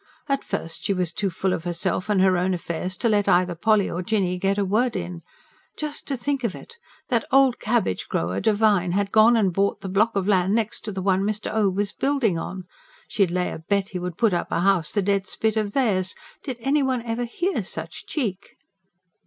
At first she was too full of herself and her own affairs to let either Polly or Jinny get a word in. Just to think of it! That old cabbage grower, Devine, had gone and bought the block of land next the one Mr. O. was building on. She'd lay a bet he would put up a house the dead spit of theirs. Did ever anyone hear such cheek?